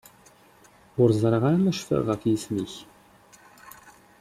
Ur ẓriɣ ara ma cfiɣ ɣef yisem-ik.